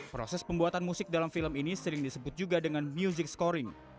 proses pembuatan musik dalam film ini sering disebut juga dengan music scoring